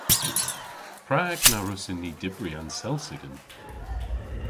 Prag na wrussyn ni dybri an selsigen?